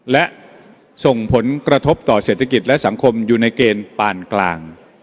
และส่งผลกระทบต่อเศรษฐกิจและสังคมอยู่ในเกณฑ์ปานกลาง